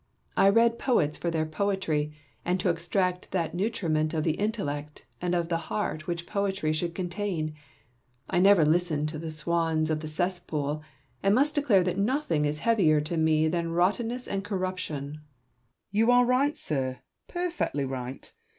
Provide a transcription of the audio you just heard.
I read poets for their poetry, and to extract that nutriment of the intellect and of the heart which poetry should contain, I never listen to the swans of the cesspool, and must declare that nothing is heavier to me than rottenness and corruption. Porson. You are right, sir, perfectly right.